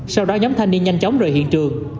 sau đó nhóm thanh niên nhanh chóng rời hiện trường